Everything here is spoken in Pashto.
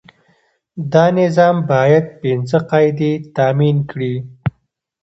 دا نظام باید پنځه قاعدې تامین کړي.